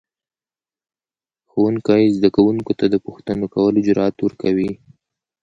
ښوونکی زده کوونکو ته د پوښتنو کولو جرأت ورکوي